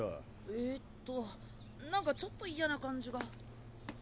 えっとなんかちょっと嫌な感じが。